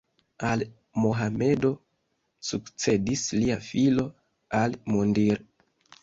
Al Mohamedo sukcedis lia filo Al-Mundir.